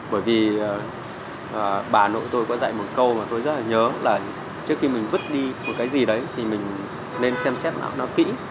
bởi vì bà nội tôi có dạy một câu mà tôi rất là nhớ là trước khi mình vứt đi một cái gì đấy thì mình nên xem xét nó kỹ